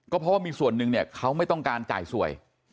เพราะว่ามีส่วนหนึ่งเนี่ยเขาไม่ต้องการจ่ายสวย